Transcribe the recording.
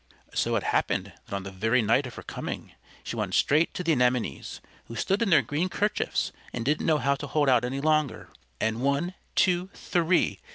So it happened that on the very night of her coming she went straight to the Anemones, who stood in their green kerchiefs and didn't know how to hold out any longer. And one, two, three!